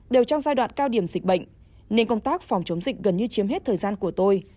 đều trong giai đoạn cao điểm dịch bệnh nên công tác phòng chống dịch gần như chiếm hết thời gian của tôi